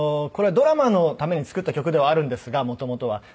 これはドラマのために作った曲ではあるんですが元々は。